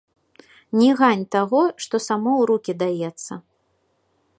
Не гань таго, што само ў рукі даецца.